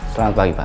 selamat pagi pak